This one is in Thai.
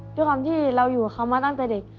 ด้วยความที่เราอยู่กับเขามาตั้งแต่เด็ก